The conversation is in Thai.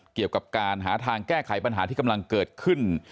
เกี่ยวกับการหาทางแก้ไขปัญหาที่กำลังเกิดขึ้น